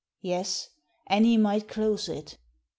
Yes, any might close it.